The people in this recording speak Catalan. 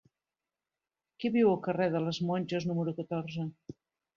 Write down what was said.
Qui viu al carrer de les Monges número catorze?